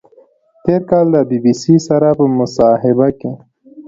تېر کال د بی بی سي سره په مصاحبه کې